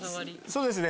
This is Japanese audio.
そうですね